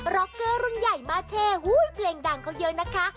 ร็อกเกอร์รุ่นใหญ่มาเช่เพลงดังเขาเยอะนะคะ